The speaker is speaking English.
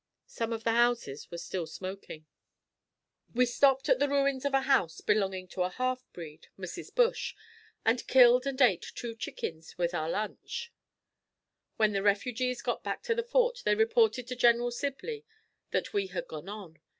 Some of the houses were still smoking. We stopped at the ruins of a house belonging to a half breed, Mrs. Bush, and killed and ate two chickens with our other lunch. When the refugees got back to the fort they reported to General Sibley that we had gone on.